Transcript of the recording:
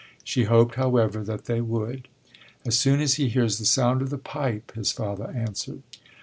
She hoped, however, that they would. As soon as he hears the sound of the pipe, his father answered.